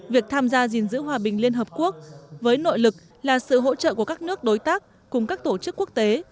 việc tham gia gìn giữ hòa bình liên hợp quốc với nội lực là sự hỗ trợ của các nước đối tác cùng các tổ chức quốc tế